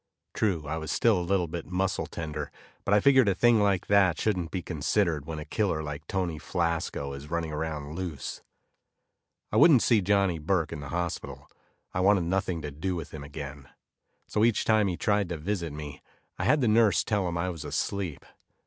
True, I was still a bit muscle tender, but I figured a thing like that shouldn't be considered when a killer like Tony Flasco is running around loose. I wouldn't see Johnny Burke in the hospital; I wanted nothing to do with him again. So, each time he tried to visit me, I had the nurse tell him I was asleep.